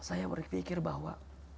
saya berpikir bahwa